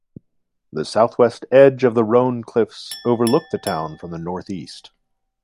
The southwest edge of the Roan Cliffs overlook the town from the northeast.